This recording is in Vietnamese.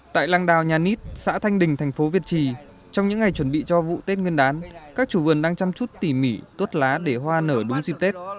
tại lăng đào nhà nít xã thanh đình thành phố việt trì trong những ngày chuẩn bị cho vụ tết nguyên đán các chủ vườn đang chăm chút tỉ mỉ tốt lá để hoa nở đúng dịp tết